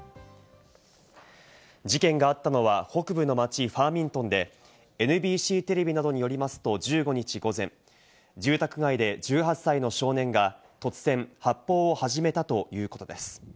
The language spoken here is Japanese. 事件があったのは、北部の町ファーミントンでＮＢＣテレビなどによりますと、１５日午前、住宅街で１８歳の少年が突然、発砲を始めたということです。